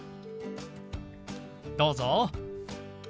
どうぞ。